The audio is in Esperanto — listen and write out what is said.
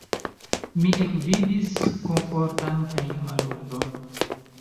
Mi ekvidis komforton kaj malordon.